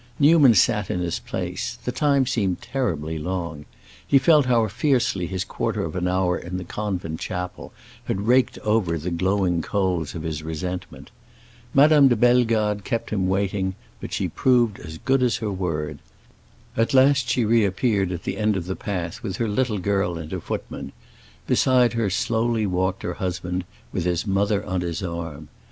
Newman sat in his place; the time seemed terribly long. He felt how fiercely his quarter of an hour in the convent chapel had raked over the glowing coals of his resentment. Madame de Bellegarde kept him waiting, but she proved as good as her word. At last she reappeared at the end of the path, with her little girl and her footman; beside her slowly walked her husband, with his mother on his arm.